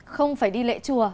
không phải đi lệ chùa